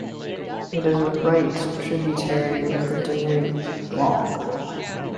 It is a right tributary of the Danube, long.